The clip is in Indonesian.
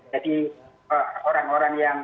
jadi orang orang yang